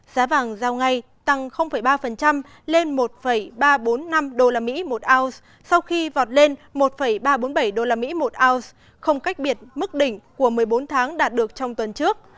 giá vàng giao ngay tăng ba lên một ba trăm bốn mươi năm usd một ounce sau khi vọt lên một ba trăm bốn mươi bảy usd một ounce không cách biệt mức đỉnh của một mươi bốn tháng đạt được trong tuần trước